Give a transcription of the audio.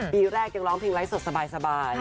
ปีแรกยังร้องเพลงไว้สดสบาย